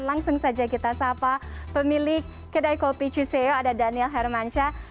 langsung saja kita sapa pemilik kedai kopi ciseo ada daniel hermansyah